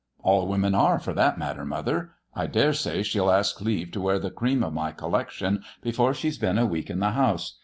" All women are, for that matter, mother. I dare say she'll ask leave to wear the cream of my collection before she's been a week in the house.